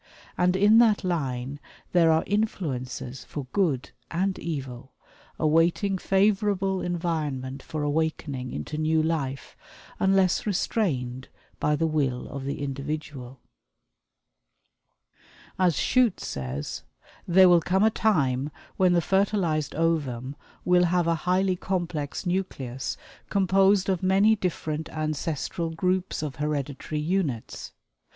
And in that line there are influences for good and evil, awaiting favorable environment for awakening into new life unless restrained by the will of the individual. As Shute says: "There will come a time when the fertilized ovum will have a highly complex nucleus composed of many different ancestral groups of hereditary units.